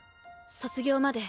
卒業まで。